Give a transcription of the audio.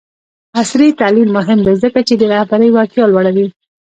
عصري تعلیم مهم دی ځکه چې د رهبرۍ وړتیا لوړوي.